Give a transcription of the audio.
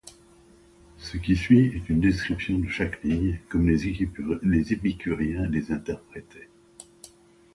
Ce qui suit est une description de chaque ligne comme les Épicuriens les interprétaient.